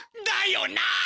だよな！